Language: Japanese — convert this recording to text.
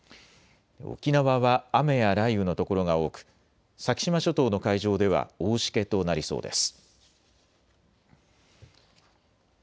沖縄は雨や雷雨の所が多く先島諸島の海上では大しけとなりそうです。